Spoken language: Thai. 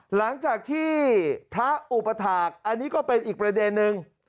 หลังจากที่พระอุปถาคอันนี้ก็เป็นอีกประเด็นนึง